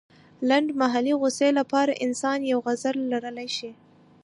لنډمهالې غوسې لپاره انسان يو عذر لرلی شي.